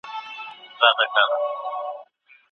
حکومت د کتابتونونو لپاره نوي امکانات برابر کړي دي.